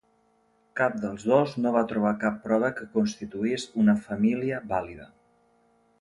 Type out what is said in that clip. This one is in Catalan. Cap dels dos no va trobar cap prova que constituís una família vàlida.